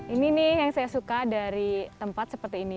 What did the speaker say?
ini nih yang saya suka dari tempat seperti ini